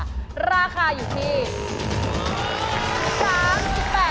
โปรดติดตามต่อไป